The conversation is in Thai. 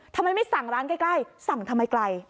ทำไมไม่สั่งร้านใกล้สั่งทำไมไกล